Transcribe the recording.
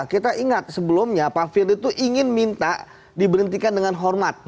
kita ingat sebelumnya pak firly itu ingin minta diberhentikan dengan hormat